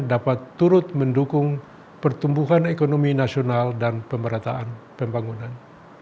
dapat turut mendukung pertumbuhan ekonomi nasional dan pemerataan pembangunan